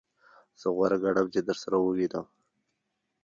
زه غوره ګڼم چی درسره ووینم.